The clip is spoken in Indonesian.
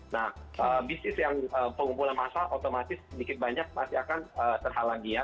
nah bisnis yang pengumpulan massal otomatis sedikit banyak masih akan terhalangi ya